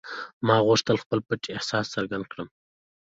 ما غوښتل خپل پټ احساس څرګند کړم